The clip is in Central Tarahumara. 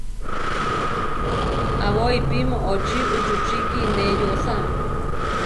Aʼbóipi moʼochí uchúchiki neʼé yóosa.